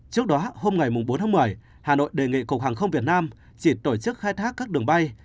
trước đó hôm ngày bốn tháng một mươi hà nội đề nghị cục hàng không việt nam chỉ tổ chức khai thác các đường bay